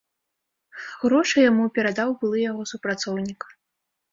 Грошы яму перадаў былы яго супрацоўнік.